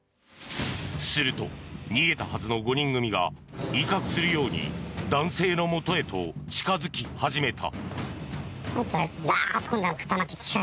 すると、逃げたはずの５人組が威嚇するように男性のもとへと近付き始めた。